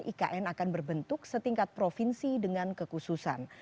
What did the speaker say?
ikn akan berbentuk setingkat provinsi dengan kekhususan